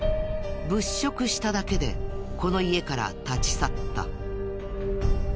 物色しただけでこの家から立ち去った。